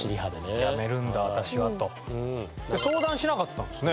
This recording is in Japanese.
「やめるんだ私は」と。相談しなかったんですね。